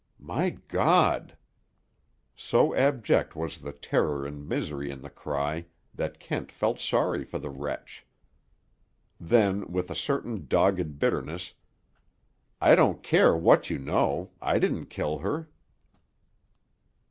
"My God!" So abject was the terror and misery in the cry that Kent felt sorry for the wretch. Then, with a certain dogged bitterness: "I don't care what you know; I didn't kill her."